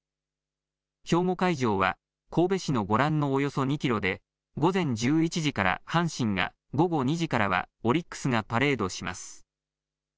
兵庫会場は神戸市のご覧のおよそ２キロで午前１１時から阪神が午後２時からはオリックスがパレードします。